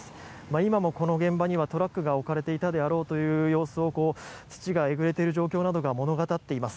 今もこの現場にはトラックが置かれていたであろうという様子を土がえぐれている状況などが物語っています。